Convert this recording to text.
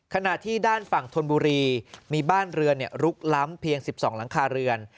ขณะที่ด้านฝั่งธนบุรีมีบ้านเรือนลุกล้ำเพียง๑๒หลังคาเรือน